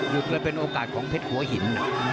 ยุดแล้วเป็นโอกาสของเพชรหัวหิน